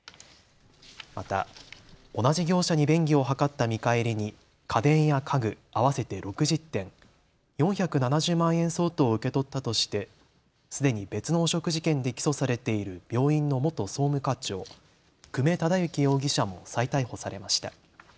また同じ業者に便宜を図った見返りに家電や家具合わせて６０点、４７０万円相当を受け取ったとしてすでに別の汚職事件で起訴されている病院の元総務課長、久米忠之容疑者も再逮捕されました。